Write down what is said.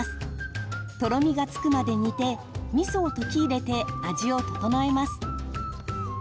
とろみがつくまで煮てみそを溶き入れて味を調えます。